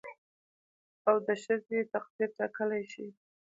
او د ښځې تقدير ټاکلى شي